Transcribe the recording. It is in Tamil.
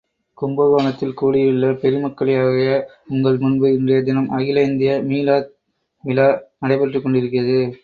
கும்பகோணத்தில் கூடியுள்ள பெருமக்களாகிய உங்கள் முன்பு, இன்றைய தினம் அகில இந்திய மீலாத் விழா நடைபெற்றுக் கொண்டிருக்கிறது.